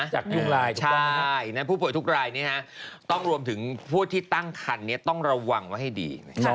จากยุงลายใช่ผู้โป่ยทุกรายเนี่ยนะต้องรวมถึงพวกที่ตั้งคันเนี่ยต้องระวังไว้ดี